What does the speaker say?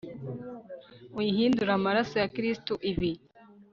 uyihindure amaraso ya kristu, ibi